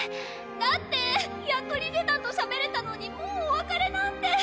だってやっとリゼたんとしゃべれたのにもうお別れなんて。